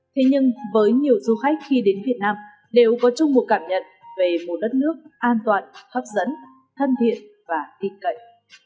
thế nhưng với nhiều du khách khi đến việt nam đều có chung một cảm nhận về một đất nước an toàn hấp dẫn thân thiện và tin cậy